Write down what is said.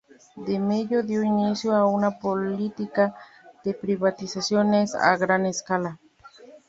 De Mello dio inicio a una política de privatizaciones a gran escala.